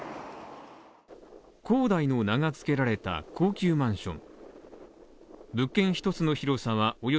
恒大の名がつけられた高級マンション。